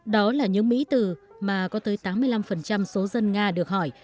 đó là những mỹ từ mà có tới tám mươi năm số dân nga được hỏi